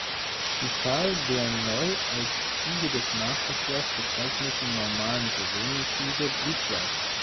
Die Zahl der neu als Züge des Nahverkehrs bezeichneten normalen Personenzüge blieb gleich.